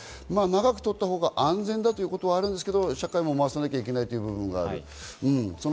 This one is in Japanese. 長く取ったほうが安全というのがあるんですけれども、社会も回さなきゃいけないというのがある。